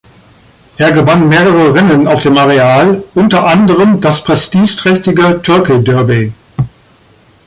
Er gewann mehrere Rennen auf dem Areal, unter anderem das prestigeträchtige „Turkey Derby“.